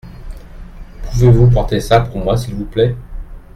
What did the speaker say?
Pouvez-vous porter ça pour moi s’il vous plait.